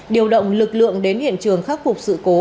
điều động lực lượng đến hiện trường khắc phục sự cố